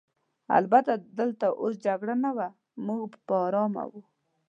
البته دلته اوس جګړه نه وه، موږ په آرامه وو.